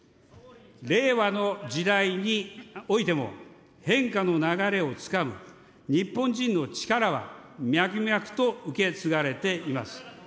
令和の時代においても変化の流れをつかむ日本人の力は脈々と受け継がれています。